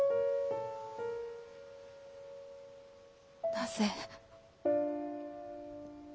なぜ。